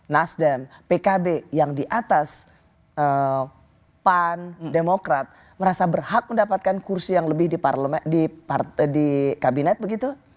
nasdem pkb yang di atas pan demokrat merasa berhak mendapatkan kursi yang lebih di kabinet begitu